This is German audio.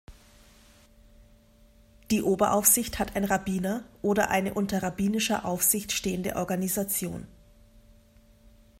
Die Oberaufsicht hat ein Rabbiner oder eine unter rabbinischer Aufsicht stehende Organisation.